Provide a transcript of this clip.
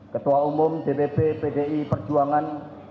ketua umum dpp pdi perjuangan